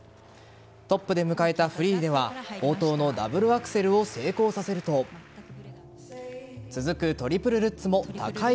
トップで迎えたフリーでは冒頭のダブルアクセルを成功させると続くトリプルルッツも高い